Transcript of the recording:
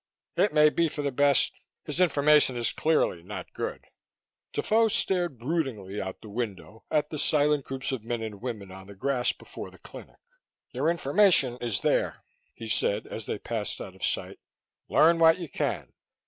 "It may be for the best; his information is clearly not good." Defoe stared broodingly out the window at the silent groups of men and women on the grass before the clinic. "Your information is there," he said as they passed out of sight. "Learn what you can.